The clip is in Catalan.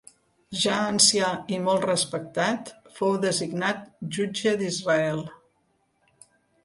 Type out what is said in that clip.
Ja ancià i molt respectat, fou designat Jutge d'Israel.